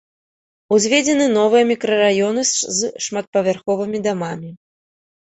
Узведзены новыя мікрараёны з шматпавярховымі дамамі.